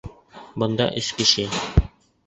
Бында өс кеше!